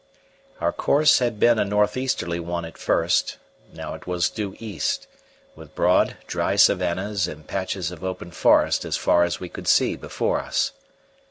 Our course had been a north easterly one at first; now it was due east, with broad, dry savannahs and patches of open forest as far as we could see before us.